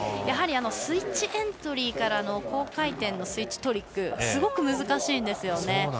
やはりスイッチエントリーからの高回転のスイッチトリックはすごく難しいんですよね。